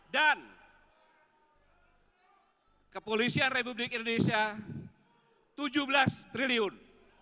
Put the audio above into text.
dan kepolisian republik indonesia tujuh belas triliun